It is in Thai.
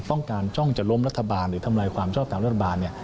ต้องการจ้องจะล้มรัฐบาลหรือทำลายความชอบตามรัฐบาล